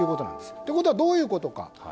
ということはどういうことか。